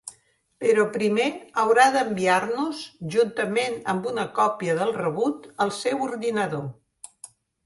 Però primer haurà d'enviar-nos, juntament amb una còpia del rebut, el seu ordinador.